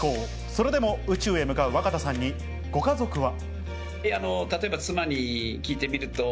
それでも宇宙へ向かう若田さんにご家族は。